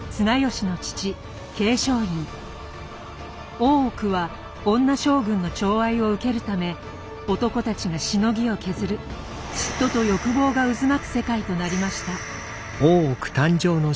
大奥は女将軍の寵愛を受けるため男たちがしのぎを削る嫉妬と欲望が渦巻く世界となりました。